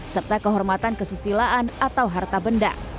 serta kehormatan kesusilaan atau harta benda